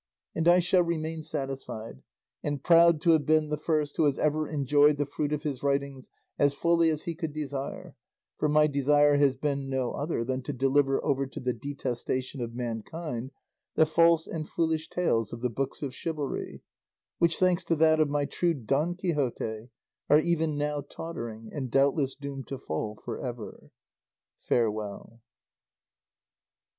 And I shall remain satisfied, and proud to have been the first who has ever enjoyed the fruit of his writings as fully as he could desire; for my desire has been no other than to deliver over to the detestation of mankind the false and foolish tales of the books of chivalry, which, thanks to that of my true Don Quixote, are even now tottering, and doubtless doomed to fall for ever. Farewell."